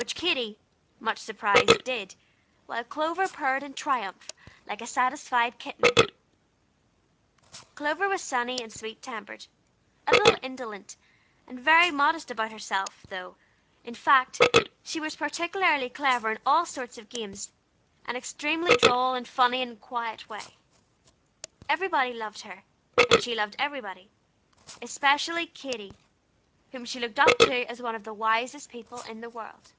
which Katy, much surprised, did; while Clover purred in triumph, like a satisfied kitten. Clover was sunny and sweet tempered, a little indolent, and very modest about herself, though, in fact, she was particularly clever in all sorts of games, and extremely droll and funny in a quiet way. Everybody loved her, and she loved everybody, especially Katy, whom she looked up to as one of the wisest people in the world.